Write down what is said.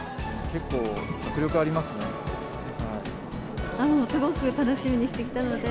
結構、迫力ありますね。